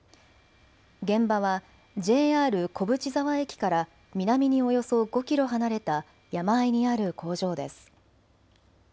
現場はＪＲ小淵沢駅から南におよそ５キロ離れた山あいにある工場です。